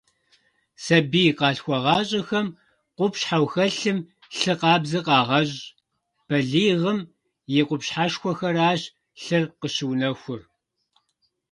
Сабий къалъхуагъащӏэхэм къупщхьэу хэлъым лъы къабзэ къагъэщӏ, балигъым и къупщхьэшхуэхэращ лъыр къыщыунэхур.